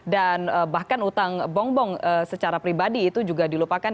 dan bahkan hutang bomong secara pribadi itu juga dilupakan